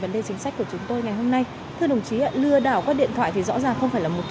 để xác nhận thông tin có phải con chó